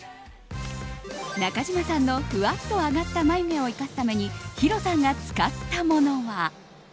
中島さんのふわっと上がった眉毛を生かすためにヒロさんが使ったものは。